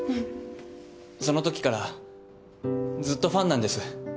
そのときからずっとファンなんです。